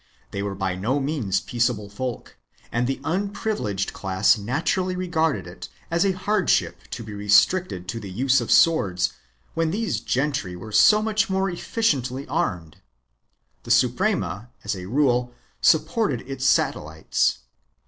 They were by no means peaceable folk and the unprivileged class naturally regarded it as a hardship to be restricted to the use of swords when these gentry were so much more efficiently armed. The Suprema as a rule supported its satellites.